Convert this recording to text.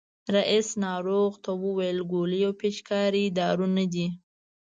رئیس ناروغ ته وویل ګولۍ او پيچکاري دارو نه دي.